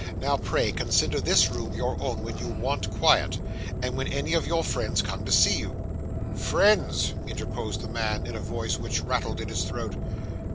Now, pray, consider this room your own when you want quiet, or when any of your friends come to see you.' 'Friends!' interposed the man, in a voice which rattled in his throat.